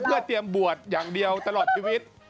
เพื่อเรียบทรวบบวชอย่างเดียวตลอดทีวีศ